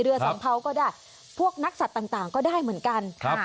เรือสันเภาก็ได้พวกนักสัตว์ต่างต่างก็ได้เหมือนกันครับ